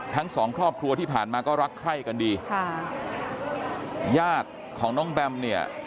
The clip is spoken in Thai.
ทั้งสองครอบครัวที่ผ่านมาก็รักใคร่กันดีค่ะญาติของน้องแบมเนี่ย